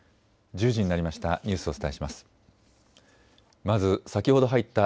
１０時になりました。